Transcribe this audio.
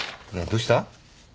どうした？